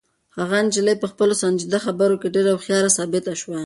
هغه نجلۍ په خپلو سنجیده خبرو کې ډېره هوښیاره ثابته شوه.